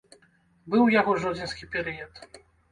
Быў у яго жодзінскі перыяд.